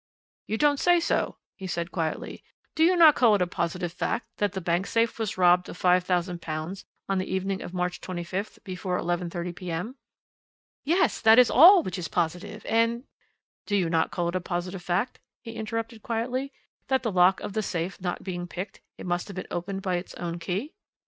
"You don't say so?" he said quietly. "Do you not call it a positive fact that the bank safe was robbed of £5000 on the evening of March 25th before 11.30 p.m." "Yes, that is all which is positive and " "Do you not call it a positive fact," he interrupted quietly, "that the lock of the safe not being picked, it must have been opened by its own key?"